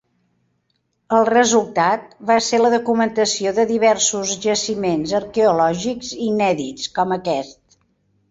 El resultat va ser la documentació de diversos jaciments arqueològics inèdits com aquest.